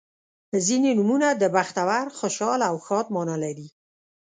• ځینې نومونه د بختور، خوشحال او ښاد معنا لري.